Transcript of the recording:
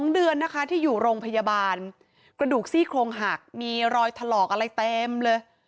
๒เดือนนะคะที่อยู่โรงพยาบาลกระดูกซี่โครงหักมีรอยถลอกอะไรเต็มเลย